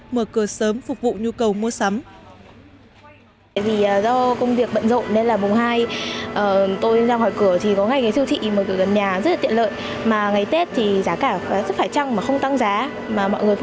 mở cửa sớm phục vụ nhu cầu mua sắm